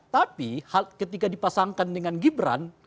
tapi ketika dipasangkan dengan gibran